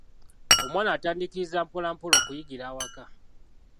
Omwana atandiikiriza mpola mpola okuyigira awaka.